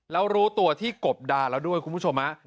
แล้วรู้ตัวที่กบดาแล้วด้วยคุณผู้ชมฮะ